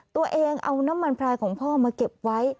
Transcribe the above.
ตัวเองเอาน้ำมันพลายของพ่อมาเก็บไว้